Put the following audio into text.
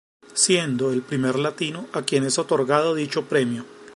Siendo el primer latino a quien es otorgado dicho premio.